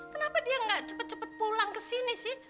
kenapa dia nggak cepet cepet pulang ke sini sih